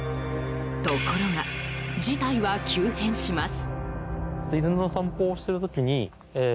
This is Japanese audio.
ところが、事態は急変します。